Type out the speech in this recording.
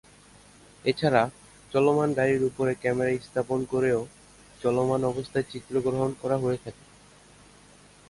এছাড়া চলমান গাড়ির উপরে ক্যামেরা স্থাপন করেও চলমান অবস্থায় চিত্রগ্রহণ করা হয়ে থাকে।